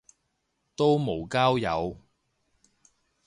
都無交友